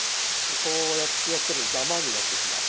こうやってやってるとダマになってきます。